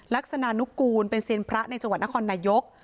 ลักษณะนุกูลเป็นเซียนพระในจังหวัดนครนายก